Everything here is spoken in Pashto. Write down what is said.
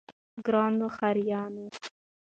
ګرانو ښاريانو!